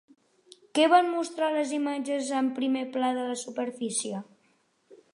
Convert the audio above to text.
Què van mostrar les imatges en primer pla de la superfície?